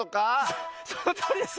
そのとおりです。